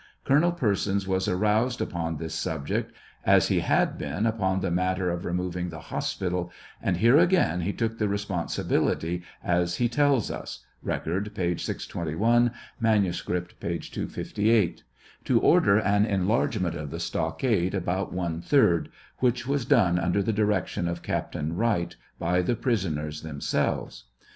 Colonel Persons was aroused upon this subject, as he had been upon the matter of removing the hospital, and here again betook the responsibility, as he tells us, (Record, p. 621; manuscript, p. 258, ) to order an enlargement of the stockade about one third, which was done under the direction of Captain Wright by the prisoners themselves.